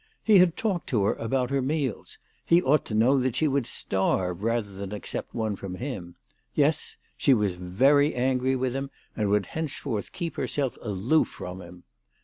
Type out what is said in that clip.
He had talked to her about her meals. He ought to know that she would starve rather than accept one from him. Yes ; she was very angry with him, and would henceforth keep herself aloof from him.